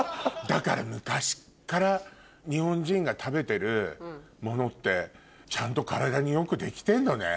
だから昔っから日本人が食べてるものってちゃんと体に良く出来てんのね。